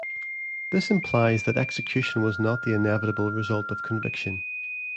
This implies that execution was not the inevitable result of conviction.